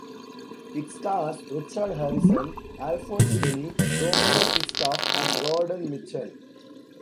It stars Richard Harrison, Alphonse Beni, Romano Kristoff and Gordon Mitchell.